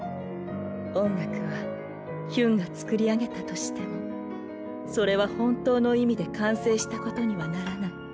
音楽はヒュンが作り上げたとしてもそれは本当の意味で完成したことにはならない。